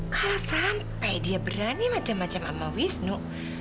kalau sampai dia berani macem macem sama wisnu